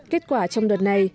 kết quả trong đợt này